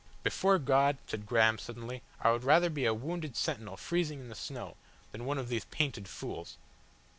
"Before God," said Graham, suddenly, "I would rather be a wounded sentinel freezing in the snow than one of these painted fools!"